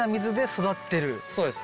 そうです。